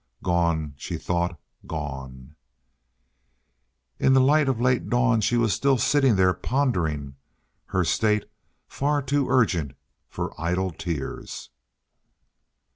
"Gone!" she thought. "Gone!" In the light of a late dawn she was still sitting there pondering, her state far too urgent for idle tears.